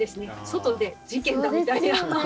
外で事件だみたいな。